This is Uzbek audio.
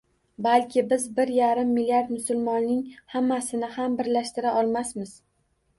Balki biz bir yarim milliard musulmonning hammasini ham birlashtira olmasmiz